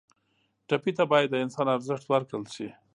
ټپي ته باید د انسان ارزښت ورکړل شي.